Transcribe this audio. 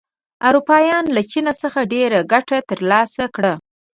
اروپایان له چین څخه ډېره ګټه تر لاسه کړه.